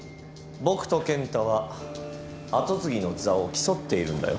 ・僕と健太は跡継ぎの座を競っているんだよ。